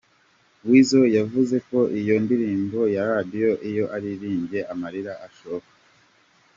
Weasel yavuze ko iyo ndirimbo ya Radio iyo ayiririmbye amarira ashoka.